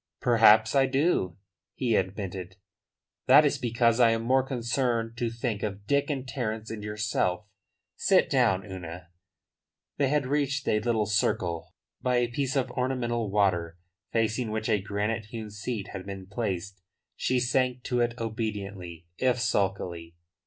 "Perhaps I do," he admitted. "That is because I am more concerned to think of Dick and Terence and yourself. Sit down, Una." They had reached a little circle by a piece of ornamental water, facing which a granite hewn seat had been placed. She sank to it obediently, if sulkily.